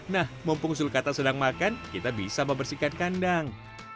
nah mumpung sulkata sedang makan kita bisa membersihkan kandang